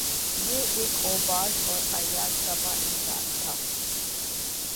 یہ ایک اوباش اور عیاش طبع انسان تھا